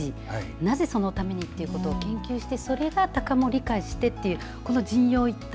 なぜ、そのためにというところを研究してそれが、たかも理解してというこの人鷹一体。